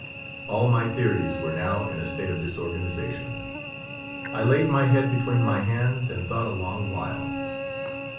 All my theories were now in a state of disorganisation. I laid my head between my hands and thought a long while.